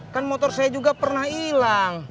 kan motor saya juga pernah hilang